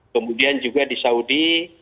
kemudian juga di saudi